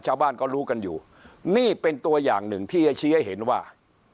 ชาวบ้านก็รู้กันอยู่นี่เป็นตัวอย่างหนึ่งที่จะชี้ให้เห็นว่า